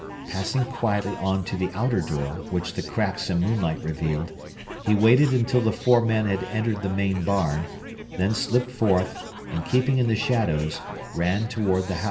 Passing quietly on to the outer door, which the cracks and moonlight revealed, he waited until the four men had entered the main barn, then slipped forth, and keeping in the shadows, ran toward the house.